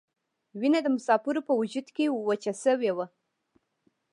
وینه د مسافرو په وجود کې وچه شوې وه.